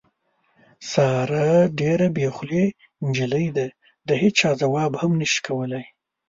ساره ډېره بې خولې نجیلۍ ده، د هېچا ځواب هم نشي کولی.